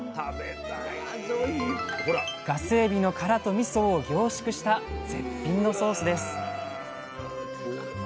ガスエビの殻とみそを凝縮した絶品のソースです